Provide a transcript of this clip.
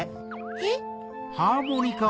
えっ？